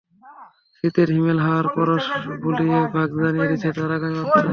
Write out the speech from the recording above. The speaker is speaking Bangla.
শীতের হিমেল হাওয়ার পরশ বুলিয়ে মাঘ জানিয়ে দিচ্ছিল তার আগমনী বার্তা।